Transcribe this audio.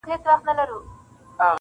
چي خبر د کلي خلګ په دې کار سوه-